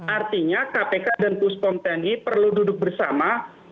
artinya kpk dan puspom tni perlu duduk bersama